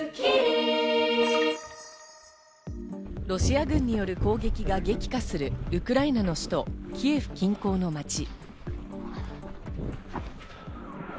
ロシア軍による攻撃が激化するウクライナの首都キエフ近郊の町。